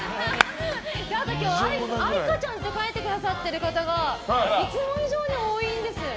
今日、愛花ちゃんって書いていただいてる方がいつも以上に多いんです。